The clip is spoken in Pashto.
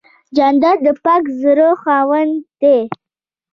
جانداد د پاک زړه خاوند دی.